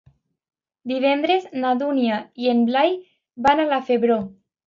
Divendres na Dúnia i en Blai van a la Febró.